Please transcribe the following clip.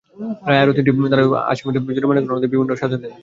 রায়ে আরও তিনটি ধারায় আসামিদের জরিমানা করে অনাদায়ে বিভিন্ন মেয়াদে সাজা দেন।